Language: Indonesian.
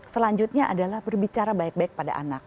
selanjutnya adalah berbicara baik baik pada anak